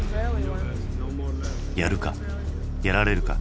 やるかやられるか